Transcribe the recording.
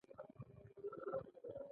یا یې لږ اندازه په ځان مصرفوي